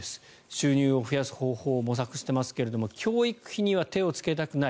収入を増やす方法を模索していますけれど教育費には手をつけたくない。